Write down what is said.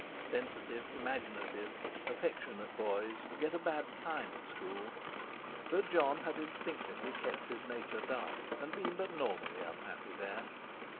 Sensitive, imaginative, affectionate boys get a bad time at school, but Jon had instinctively kept his nature dark, and been but normally unhappy there.